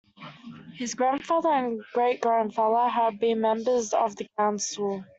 His grandfather and great-grandfather had also been members of the Council.